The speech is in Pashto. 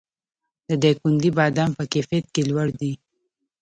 د دایکنډي بادام په کیفیت کې لوړ دي